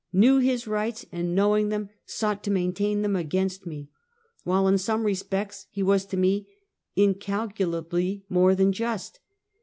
Knew his rights, and knowing sought to maintain them against me; while, in some respects, he was to me incalcul ably more than just.